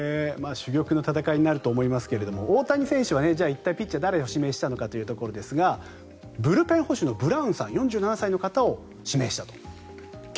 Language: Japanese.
珠玉の戦いになると思いますけど大谷選手は一体ピッチャーに誰を指名したのかというところですがブルペン捕手のブラウンさん４７歳の方を指名したと。